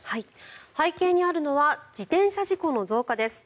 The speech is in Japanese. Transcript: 背景にあるのは自転車事故の増加です。